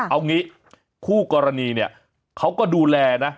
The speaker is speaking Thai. เอางี้คู่กรณีเนี่ยเขาก็ดูแลนะ